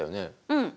うん。